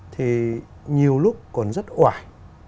thì nhiều lúc còn rất oải